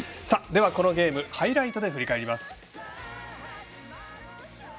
このゲーム、ハイライトで振り返ります。